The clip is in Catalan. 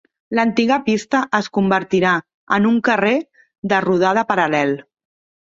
L'antiga pista es convertirà en un carrer de rodada paral·lel.